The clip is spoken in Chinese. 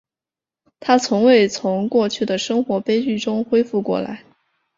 她从未从过去的生活悲剧中恢复过来。